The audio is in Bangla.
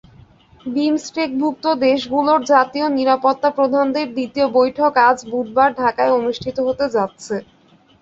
বিমসটেকভুক্ত দেশগুলোর জাতীয় নিরাপত্তাপ্রধানদের দ্বিতীয় বৈঠক আজ বুধবার ঢাকায় অনুষ্ঠিত হতে যাচ্ছে।